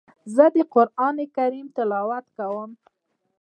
زه د قران کریم تلاوت کوم.